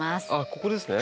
ここですね。